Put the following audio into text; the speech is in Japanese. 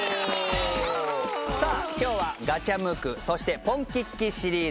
さあ今日はガチャムクそして『ポンキッキ』シリーズ。